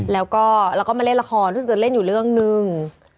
แล้วก็มาเล่นละครติดเล่นอยู่เรื่องนึง